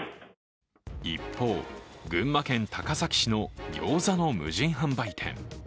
一方、群馬県高崎市のギョーザの無人販売店。